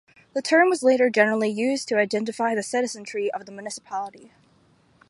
The term was later generally used to identify the citizenry of the municipality.